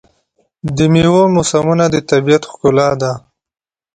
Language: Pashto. د میوو موسمونه د طبیعت ښکلا ده.